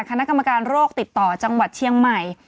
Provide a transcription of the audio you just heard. คณะกรรมการโรคติดต่อจังหวัดเชียงใหม่